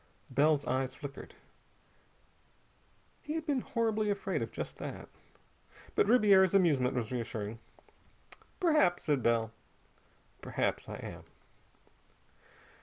Bell's eyes flickered. He had been horribly afraid of just that. But Ribiera's amusement was reassuring. "Perhaps," said Bell. "Perhaps I am."